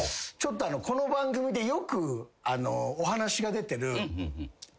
この番組でよくお話が出てる。